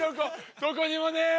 どこにもねえよ。